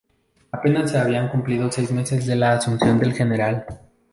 Apenas se habían cumplido seis meses de la asunción del Gral.